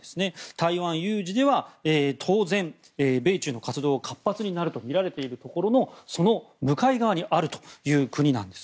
台湾有事では当然、米中の活動が活発になるといわれているところのその向かい側にある国です。